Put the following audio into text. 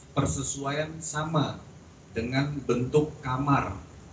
persesuaian sama dengan bentuk kamar